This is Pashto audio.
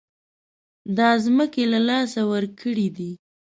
دا ځمکې له لاسه ورکړې دي.